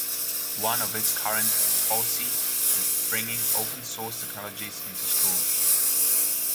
One of its current foci is bringing Open Source technologies into schools.